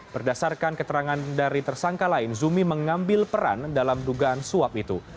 berdasarkan keterangan dari tersangka lain zumi mengambil peran dalam dugaan suap itu